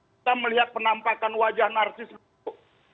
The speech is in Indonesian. kita melihat penampakan wajah narsis itu